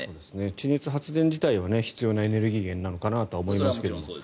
地熱発電自体は必要なエネルギー源なのかなと思いますけどね。